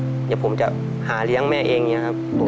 เดี๋ยวผมจะหาเลี้ยงแม่เองอย่างนี้ครับ